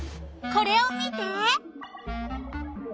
これを見て。